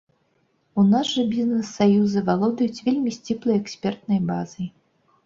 У нас жа бізнес-саюзы валодаюць вельмі сціплай экспертнай базай.